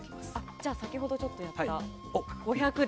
じゃあ先ほどちょっとやった５００で。